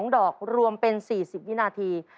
๒ดอกรวมเป็น๔๐วินาที